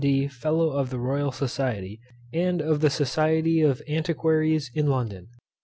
D. Fellow of the ROYAL SOCIETY, and of the SOCIETY of ANTIQUARIES in LONDON.